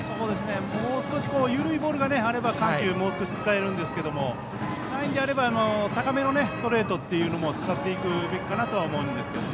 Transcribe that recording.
もう少し緩いボールがあれば緩急もう少し使えるんですがないのであれば高めのストレートというのも使っていくべきかなと思います。